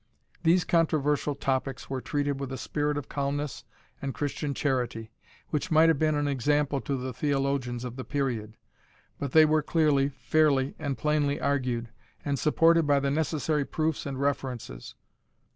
These controversial topics were treated with a spirit of calmness and Christian charity, which might have been an example to the theologians of the period; but they were clearly, fairly, and plainly argued, and supported by the necessary proofs and references.